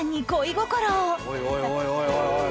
おいおいおいおい！